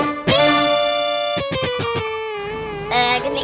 eh genteng pecah